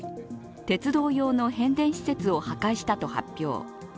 鉄道用の変電施設を破壊したと発表。